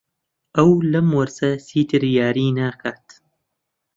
ئەو لەم وەرزە چیتر یاری ناکات.